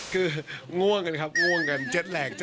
คือง่วงกันครับง่วงกัน๗แหลก